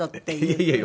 いやいや。